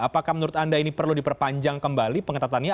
apakah menurut anda ini perlu diperpanjang kembali pengetatannya